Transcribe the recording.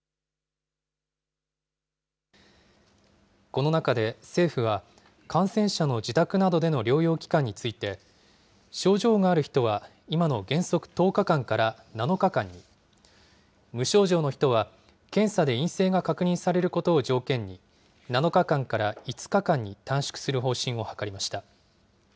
この中で政府は、感染者の自宅などでの療養期間について、症状がある人は今の原則１０日間から７日間に、無症状の人は検査で陰性が確認されることを条件に、７日間から５日間に短縮する方針を諮りました。